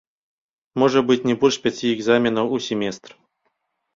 Можа быць не больш пяці экзаменаў у семестр.